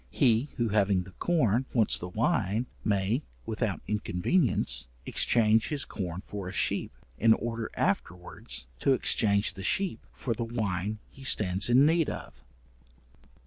He who having the corn, wants the wine, may, without inconvenience, exchange his corn for a sheep, in order afterwards to exchange the sheep for the wine he stands in need of.